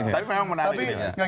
tapi memang menarik